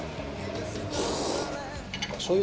しょうゆ